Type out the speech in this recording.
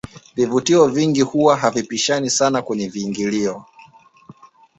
vivutio vingi huwa havipishani sana kwenye viingilio